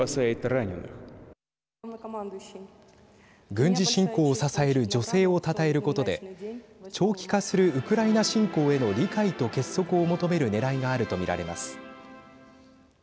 軍事侵攻を支える女性をたたえることで長期化するウクライナ侵攻への理解と結束を求めるねらいがあると見られます。